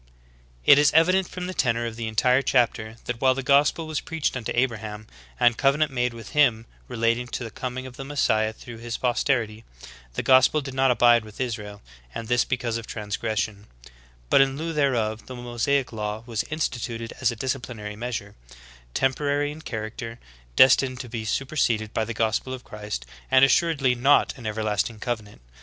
"* 22. It is evident from the tenor of the entire chapter, that while the gospel was preached unto Abraham, and covenant made with him relating to the coming of the Messiah through his posterity, the gospel did not abide with Israel, and this because of transgression;^ but in lieu thereof the Mosaic law was instituted as a disciplinary measure, tem porary in character, destined to be superseded by the gospel of Christ, and assuredly not an everlasting covenant.